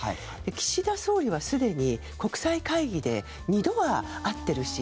岸田総理はすでに国際会議で２度は会っているし